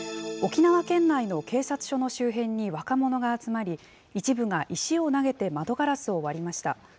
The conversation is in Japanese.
沖縄県内の警察署の周辺に若者が集まり、一部が石を投げて窓ガラスを割りました。